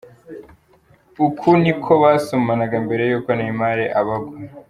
uku niko basomanaga mbere y’uko Neymar abagwa.